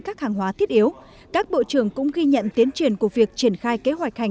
các hàng hóa thiết yếu các bộ trưởng cũng ghi nhận tiến triển của việc triển khai kế hoạch hành